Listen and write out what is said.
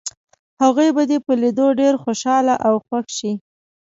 هغوی به دې په لیدو ډېر خوشحاله او خوښ شي.